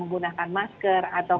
menggunakan masker atau